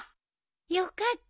よかった。